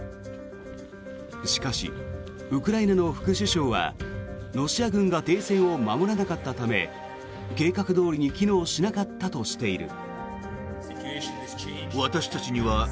しかし、ウクライナの副首相はロシア軍が停戦を守らなかったため計画どおりに機能しなかったとしている。